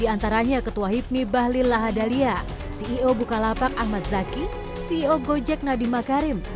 adanya ketua hibmi bahlil lahadalia ceo bukalapak ahmad zaki ceo gojek nadima karim